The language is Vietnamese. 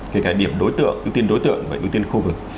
cái điểm đối tượng ưu tiên đối tượng và ưu tiên khu vực